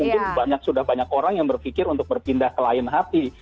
mungkin sudah banyak orang yang berpikir untuk berpindah ke lain hati